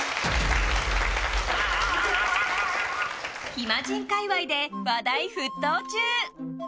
暇人界隈で話題沸騰中！